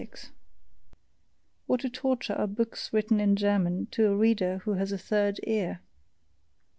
What a torture are books written in German to a reader who has a THIRD ear!